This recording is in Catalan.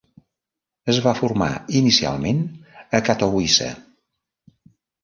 Es va formar inicialment a Katowice.